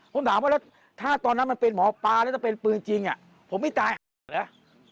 ผมถามว่าแล้วถ้าตอนนั้นมันเป็นหมอปลาแล้วถ้าเป็นปืนจริงผมไม่ตายหาเหรอ